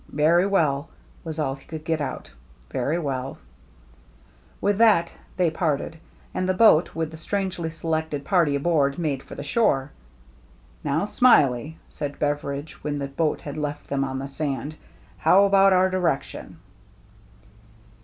" Very well," was all he could get out, " very well !" With that they parted ; and the boat, with the strangely selected party aboard, made for the shore. " Now, Smiley," said Beveridge, when the boat had left them on the sand, " how about our direction